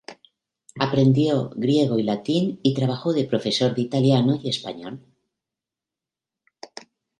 Aprendió griego y latín y trabajó de profesor de italiano y español.